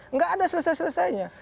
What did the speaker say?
enggak ada selesai selesainya